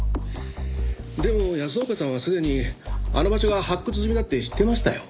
でも安岡さんはすでにあの場所が発掘済みだって知ってましたよ。